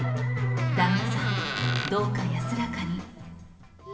旦那さん、どうか安らかに。